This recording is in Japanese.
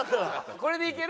これでいける？